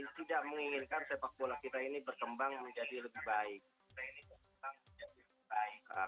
tidak menginginkan sepak bola kita ini berkembang menjadi lebih baik